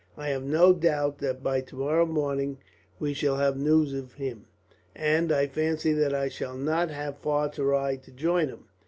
"I have no doubt that by tomorrow morning we shall have news of him, and I fancy that I shall not have far to ride to join him."